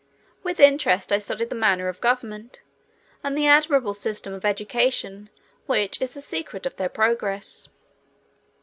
With interest I studied the manner of government, and the admirable system of education which is the secret of their progress.